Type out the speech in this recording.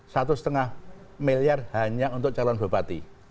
satu setengah miliar hanya untuk calon buah bati